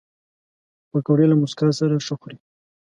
پکورې له موسکا سره ښه خوري